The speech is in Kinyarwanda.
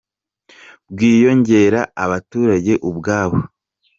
bwiyongera abaturage ubwabo.